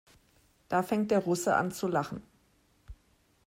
Da fängt der Russe an zu lachen.